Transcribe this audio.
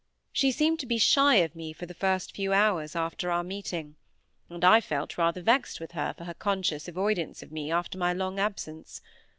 She seemed to be shy of me for the first few hours after our meeting, and I felt rather vexed with her for her conscious avoidance of me after my long absence.